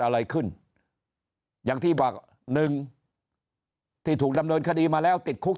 อะไรขึ้นอย่างที่บอกหนึ่งที่ถูกดำเนินคดีมาแล้วติดคุก